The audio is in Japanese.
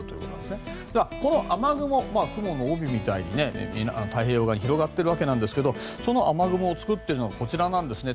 この雨雲、雲の帯みたいに太平洋側に広がっているわけですがその雨雲を作っているのがこちらなんですね。